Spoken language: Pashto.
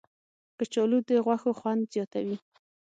کچالو د غوښو خوند زیاتوي